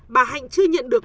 bà hạnh chưa nhận được